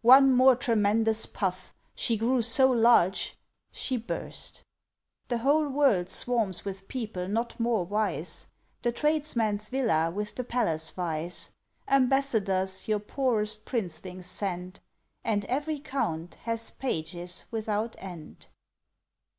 One more tremendous puff she grew so large she burst. The whole world swarms with people not more wise: The tradesman's villa with the palace vies. Ambassadors your poorest Princelings send, And every Count has pages without end.